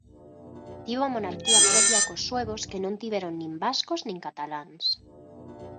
Tivo monarquía propia cos suevos que non tiveron nin vascos nin cataláns.